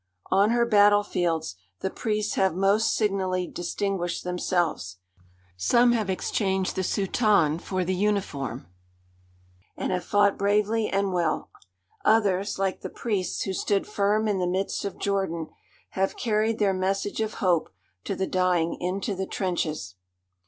On her battlefields the priests have most signally distinguished themselves. Some have exchanged the soutane for the uniform, and have fought bravely and well. Others, like the priests who stood firm in the midst of Jordan, have carried their message of hope to the dying into the trenches.